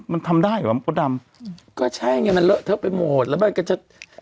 มันทำได้เหรอวะมดดำก็ใช่ไงมันเลอะเทอะไปหมดแล้วมันก็จะ